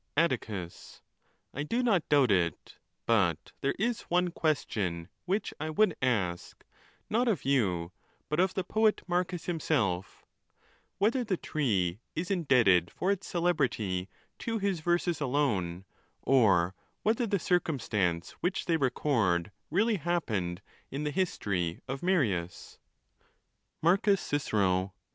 _ Aitticus.—I do not doubt it; but there is one qiieation which I would ask, not of you, but of the poet Marcus him self ; whether the tree is indebted for its celebrity to his verses alone, or whether the circumstance which they record really happened in the history of Marius ? Marcus Cicero.